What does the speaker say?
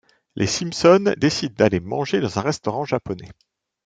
Les Simpson décident d'aller manger dans un restaurant japonais.